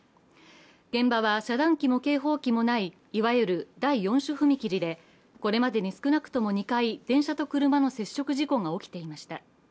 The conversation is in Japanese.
現場は遮断機も警報機もないいわゆよる第４種踏切で、これまでに少なくとも２回、電車と車の接触事故が起きていました。